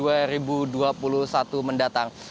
atau pada tahun dua ribu dua puluh satu mendatang